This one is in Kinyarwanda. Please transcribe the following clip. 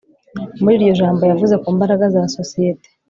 muri iryo jambo, yavuze ku mbaraga za sosiyete